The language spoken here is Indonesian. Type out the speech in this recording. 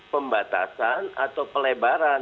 pembatasan atau pelebaran